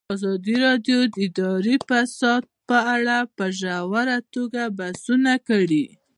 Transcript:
ازادي راډیو د اداري فساد په اړه په ژوره توګه بحثونه کړي.